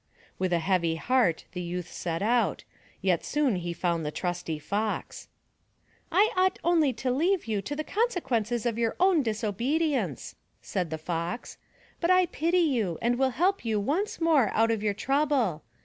With a heavy heart the youth set out, yet soon he found the trusty Fox. "I ought only to leave you to the consequences of your own disobedience," said the Fox, "but I pity you and will help you once more out of your trouble.